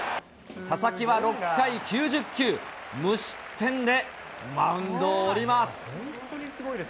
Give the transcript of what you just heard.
佐々木は６回９０球、無失点でマウンドを降ります。